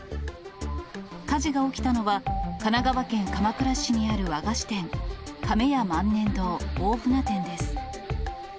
火事が起きたのは、神奈川県鎌倉市にある和菓子店、亀屋万年堂大船店です。